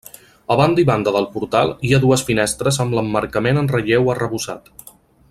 A banda i banda del portal hi ha dues finestres amb l'emmarcament en relleu arrebossat.